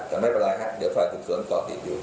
แต่ไม่เป็นไรฮะเดี๋ยวฝ่ายสืบสวนสอบติดอยู่